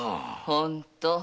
ホント。